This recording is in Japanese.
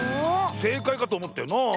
せいかいかとおもったよなあ。